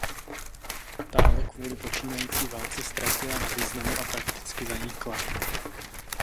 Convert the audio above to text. Ta ale kvůli počínající válce ztratila na významu a prakticky zanikla.